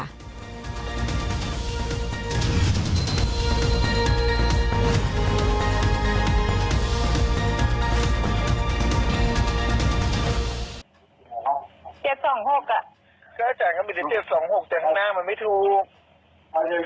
๒๖แต่หน้ามันไม่ถูก